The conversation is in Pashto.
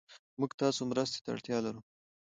موږ تاسو مرستې ته اړتيا لرو